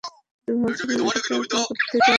আমিও তো ভাবছিলাম, এতগুলো টাকা কোত্থেকে আসলো তোর কাছে?